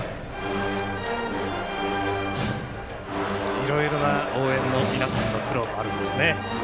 いろいろな応援の皆さんの苦労もあるんですね。